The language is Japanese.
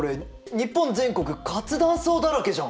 日本全国活断層だらけじゃん！